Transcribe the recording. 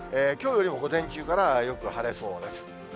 きょうよりも午前中からよく晴れそうです。